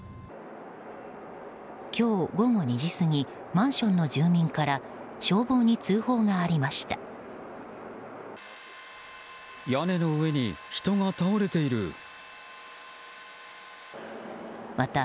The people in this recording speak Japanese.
今日午後２時過ぎマンションの住民から消防に通報がありました。